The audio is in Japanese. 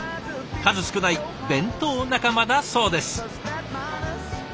数少ない弁当仲間だそうです。